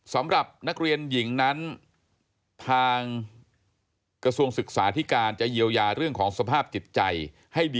สำหรับนักเรียนหญิงนั้น